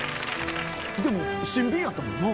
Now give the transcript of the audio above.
でも新品やったもんな？